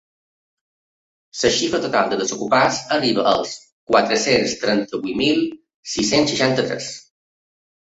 La xifra total de desocupats arriba als quatre-cents trenta-vuit mil sis-cents seixanta-tres.